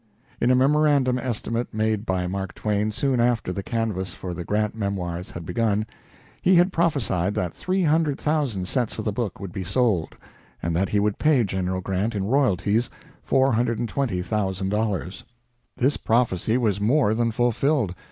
In a memorandum estimate made by Mark Twain soon after the canvass for the Grant memoirs had begun, he had prophesied that three hundred thousand sets of the book would be sold, and that he would pay General Grant in royalties $420,000. This prophecy was more than fulfilled.